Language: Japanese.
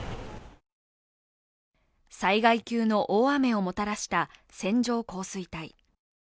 災害級の大雨をもたらした線状降水帯。